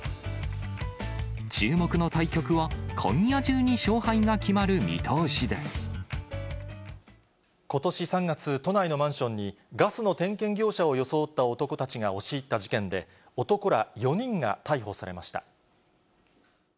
注目の対局は、今夜中に勝敗が決ことし３月、都内のマンションに、ガスの点検業者を装った男たちが押し入った事件で、男ら４人が逮捕されました。